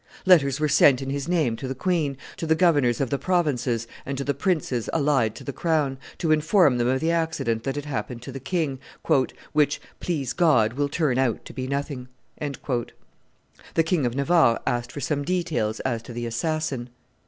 Letters were sent in his name to the queen, to the governors of the provinces and to the princes allied to the crown, to inform them of the accident that had happened to the king, "which, please God, will turn out to be nothing." The King of Navarre asked for some details as to the assassin.